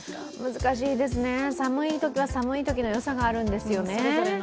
難しいですね寒いときは寒いときの良さがあるんですよね。